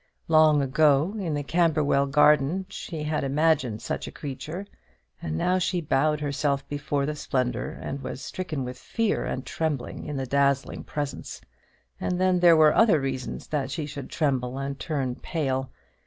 Long ago, in the Camberwell garden, she had imagined such a creature; and now she bowed herself before the splendour, and was stricken with fear and trembling in the dazzling presence. And then there were other reasons that she should tremble and turn pale.